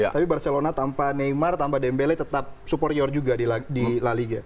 tapi barcelona tanpa neymar tanpa dembele tetap superior juga di la liga